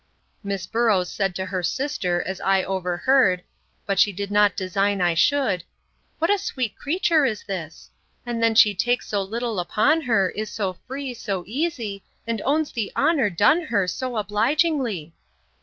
Miss Boroughs said to her sister, as I overheard, but she did not design I should, What a sweet creature is this! and then she takes so little upon her, is so free, so easy, and owns the honour done her, so obligingly!